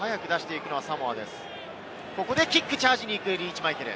ここでキック、チャージに行くリーチ・マイケル。